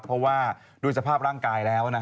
เพราะว่าด้วยสภาพร่างกายแล้ว